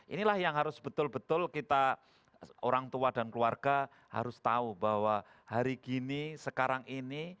inilah yang harus betul betul kita orang tua dan keluarga harus tahu bahwa hari gini sekarang ini